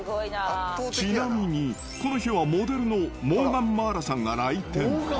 ちなみに、この日はモデルのモーガンまあらさんが来店。